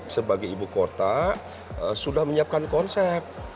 sebagai ibu kota sudah menyiapkan konsep